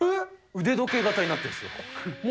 腕時計型になってるんですよ。